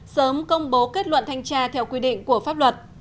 sớm công bố kết luận thanh tra theo quy định của pháp luật